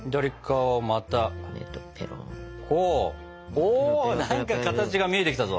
お何か形が見えてきたぞ！